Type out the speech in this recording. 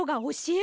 え！